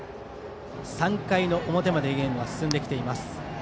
３回の表までゲームは進んできています。